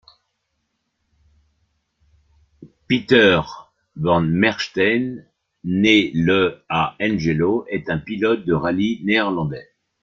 Peter van Merksteijn Jr., né le à Hengelo, est un pilote de rallye Néerlandais.